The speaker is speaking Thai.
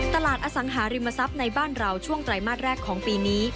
อสังหาริมทรัพย์ในบ้านเราช่วงไตรมาสแรกของปีนี้